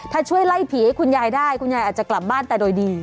ถ้าช่วยไล่ผีให้คุณยายได้คุณยายอาจจะกลับบ้านแต่โดยดี